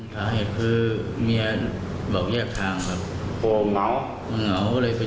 ดูนี่เมียเราอย่าทิ้งละเถอะ